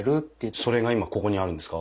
それが今ここにあるんですか？